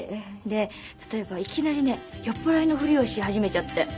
で例えばいきなりね酔っ払いのふりをし始めちゃって。